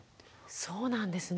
そうなんですね。